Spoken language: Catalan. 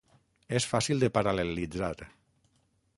És fàcil de paral·lelitzar.